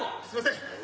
すみません。